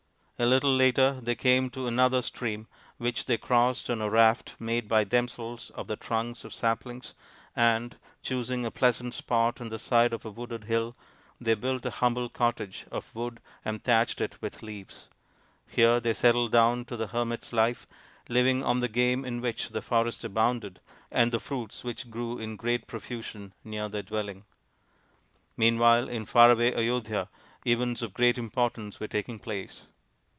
A little later they came to another stream, which they crossed on a raft made by themselves of the trunks of saplings, and, choosing a pleasant spot on the side of a wooded hill, they built a humble cottage of wood and thatched it with leaves. Here they settled down to the hermit's life, living on the game in which the forest abounded and the fruits which grew in great profusion near their dwelling. Meanwhile in far away Ayodhya events of great importance were taking place.